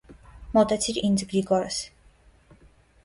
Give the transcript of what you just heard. Մոտեցիր ինձ, Գրիգորս: